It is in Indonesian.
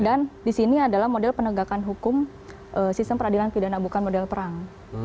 dan di sini adalah model penegakan hukum sistem peradilan pidana bukan model perang